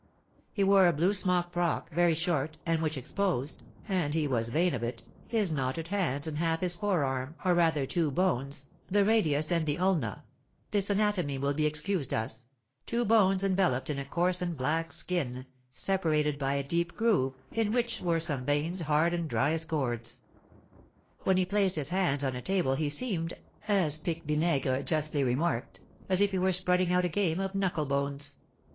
He wore a blue smock frock, very short, and which exposed (and he was vain of it) his knotted hands and half his forearm, or rather two bones, the radius and the ulna (this anatomy will be excused us), two bones enveloped in a coarse and black skin, separated by a deep groove, in which were some veins hard and dry as cords. When he placed his hands on a table he seemed, as Pique Vinaigre justly remarked, as if he were spreading out a game of knuckle bones.